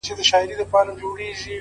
هغه ناروغه ده په رگ ـ رگ کي يې تبه خوره’